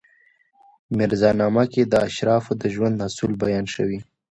په میرزا نامه کې د اشرافو د ژوند اصول بیان شوي.